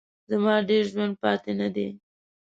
زما ډېر ژوند پاته نه دی.